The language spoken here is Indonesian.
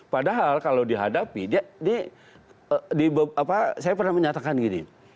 padahal kalau dihadapi saya pernah menyatakan gini